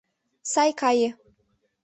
Сай кае.